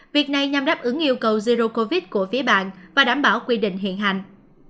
việc này nhằm đáp ứng yêu cầu zero covid của phía bạn và đảm bảo quy định hiện hành